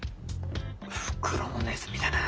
袋のネズミだな。